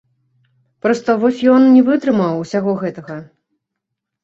Проста вось ён не вытрымаў усяго гэтага.